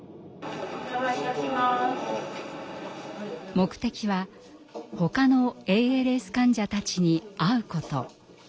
目的はほかのＡＬＳ患者たちに会うこと。